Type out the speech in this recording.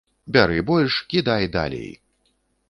Бяры больш, кідай далей.